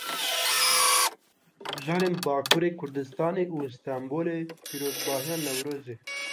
Li bajarên Bakurê Kurdistanê û Stenbolê pîrozbahiyên Newrozê.